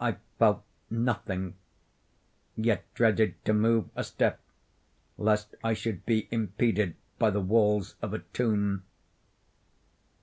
I felt nothing; yet dreaded to move a step, lest I should be impeded by the walls of a tomb.